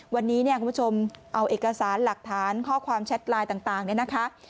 วันนี้เนี่ยคุณผู้ชมเอาเอกสารหลักฐานข้อความแชทไลน์ต่างเนี่ยนะคะ